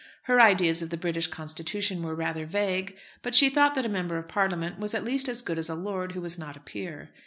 Her ideas of the British constitution were rather vague; but she thought that a Member of Parliament was at least as good as a lord who was not a peer.